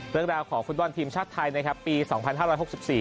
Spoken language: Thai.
เรื่องราวของฟุตบอลทีมชาติไทยนะครับปีสองพันห้าร้อยหกสิบสี่